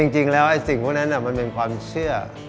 จริงแล้วไอ้สิ่งพวกนั้นมันเป็นความเชื่อ